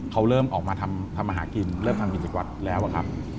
เขาเริ่มออกมาทำอาหารกินเริ่มทำกิจวัดแล้วอะครับ